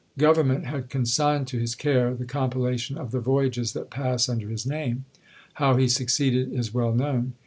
Government had consigned to his care the compilation of the voyages that pass under his name: how he succeeded is well known.